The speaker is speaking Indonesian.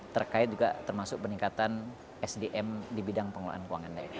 terkait juga termasuk peningkatan sdm di bidang pengelolaan keuangan daerah